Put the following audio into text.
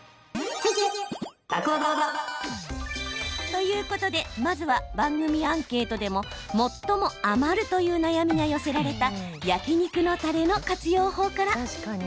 ということでまずは番組アンケートで最も余るというお悩みが寄せられた焼き肉のたれの活用法から。